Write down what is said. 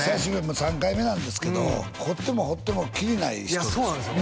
もう３回目なんですけど掘っても掘ってもきりない人ですよ